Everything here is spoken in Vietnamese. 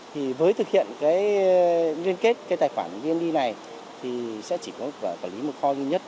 thì với thực hiện cái liên kết cái tài khoản vned này thì sẽ chỉ có quản lý một kho duy nhất